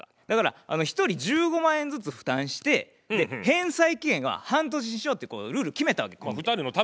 だから１人１５万円ずつ負担して返済期限は半年にしようってこうルール決めたわけコンビで。